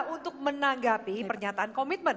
untuk menanggapi pernyataan komitmen